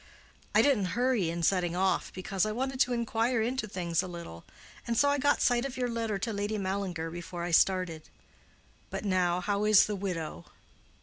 "I didn't hurry in setting off, because I wanted to inquire into things a little, and so I got sight of your letter to Lady Mallinger before I started. But now, how is the widow?"